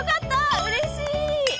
うれしい。